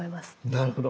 なるほど。